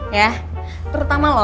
ya terutama lo